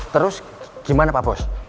terus gimana pak bos